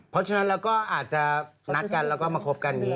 เพราะฉะนั้นเราก็อาจจะนัดกันแล้วก็มาคบกันอย่างนี้